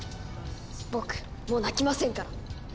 僕もう泣きませんから。